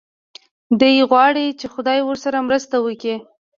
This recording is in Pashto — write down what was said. دی غواړي چې خدای ورسره مرسته وکړي.